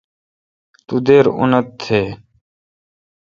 تو دیر اونت تھین۔